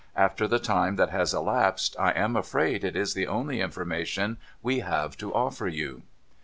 ' After the time that has elapsed I am afraid it is the only information we have to offer you.'